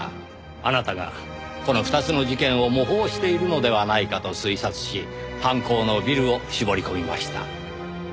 あなたがこの２つの事件を模倣しているのではないかと推察し犯行のビルを絞り込みました。